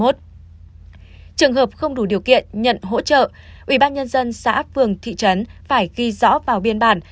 trường hợp không đủ điều kiện nhận hỗ trợ ubnd xã phường thị trấn phải ghi rõ vào biên bản